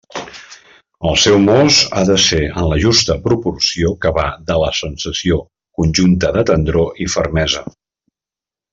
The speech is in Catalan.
El seu mos ha de ser en la justa proporció que va de la sensació conjunta de tendror i fermesa.